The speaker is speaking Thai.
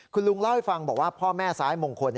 คุณลุงเล่าให้ฟังบอกว่าพ่อแม่ซ้ายมงคล